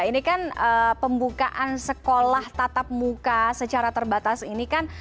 ini kan pembukaan sekolah tatap muka secara terbatas ini kan